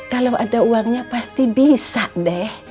kalau ada uangnya pasti bisa deh